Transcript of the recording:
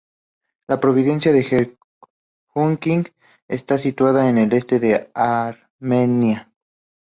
La provincia de Gegharkunik está situada en el este de Armenia.